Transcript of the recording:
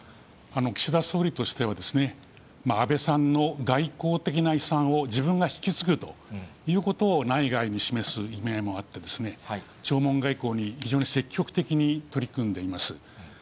岸田総理としては、安倍さんの外交的な遺産を自分が引き継ぐということを内外に示す意味合いもあって、弔問外交に非常に積極的に取り組んでいます。